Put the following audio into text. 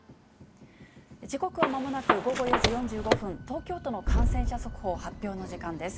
時刻はまもなく午後４時４５分、東京都の感染者速報発表の時間です。